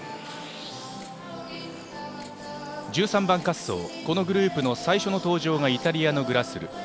１３番滑走このグループの最初の登場がイタリアのグラスル。